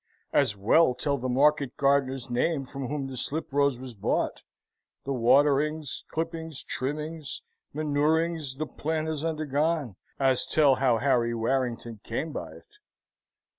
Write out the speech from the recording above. As well tell the market gardener's name from whom the slip rose was bought the waterings, clippings, trimmings, manurings, the plant has undergone as tell how Harry Warrington came by it.